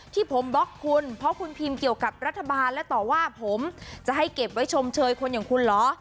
ที่ผมบล็อกคุณเพราะคุณพิมพ์เกี่ยวกับรัฐบาลและต่อว่าผมจะให้เก็บไว้ชมเชยคนอย่างคุณเหรอ